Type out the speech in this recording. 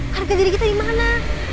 harga diri kita di mana